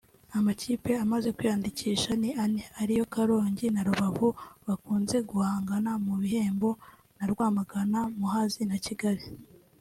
Amakipe amaze kwiyandikisha ni ane ariyo Karongi na Rubavu bakunze guhangana mu bihembo na Rwamagana Muhazi na Kigali